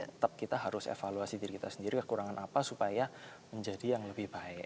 tetap kita harus evaluasi diri kita sendiri kekurangan apa supaya menjadi yang lebih baik